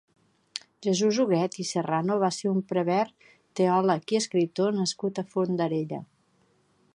Jesús Huguet i Serrano va ser un prevere, teòleg i escriptor nascut a Fondarella.